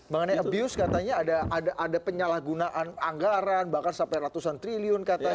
mengenai abuse katanya ada penyalahgunaan anggaran bahkan sampai ratusan triliun katanya